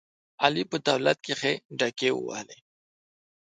علي په دولت کې ښې ډاکې ووهلې.